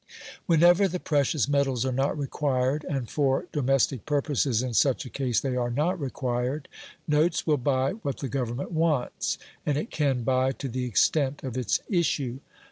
Whenever the precious metals are not required, and for domestic purposes in such a case they are not required, notes will buy what the Government want, and it can buy to the extent of its issue.